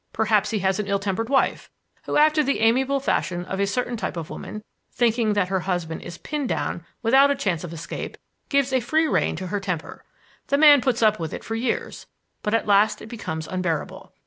Perhaps he has an ill tempered wife, who after the amiable fashion of a certain type of woman, thinking that her husband is pinned down without a chance of escape, gives a free rein to her temper. The man puts up with it for years, but at last it becomes unbearable.